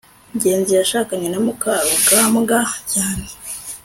ngenzi yashakanye na mukarugambwa cyane